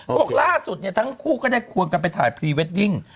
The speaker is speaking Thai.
บอกล่าสุดเนี่ยทั้งคู่ก็ได้ควงกันไปถ่ายพรีเวดดิ้ง